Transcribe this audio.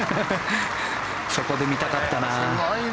そこで見たかったな。